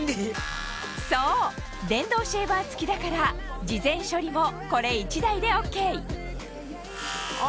そう電動シェーバー付きだから事前処理もこれ１台でＯＫあ